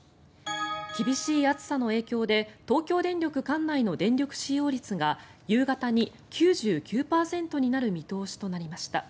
厳しい暑さの影響で東京電力管内の電力使用率が夕方に９９％になる見通しとなりました。